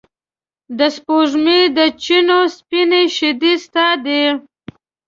د سپوږمۍ د چېنو سپینې شیدې ستا دي